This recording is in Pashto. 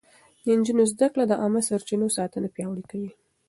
د نجونو زده کړه د عامه سرچينو ساتنه پياوړې کوي.